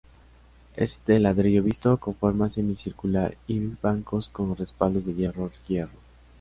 Es de ladrillo visto, con forma semicircular y bancos con respaldos de hierro hierro.